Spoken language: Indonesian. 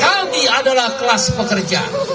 kami adalah kelas pekerja